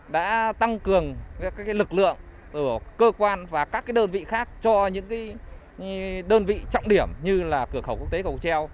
các lực lượng cơ quan và các đơn vị khác cho những đơn vị trọng điểm như là cửa khẩu quốc tế cổng treo